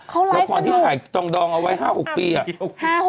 เขารายสนุกละครที่ขายจองดองเอาไว้๕๖ปีอ่ะ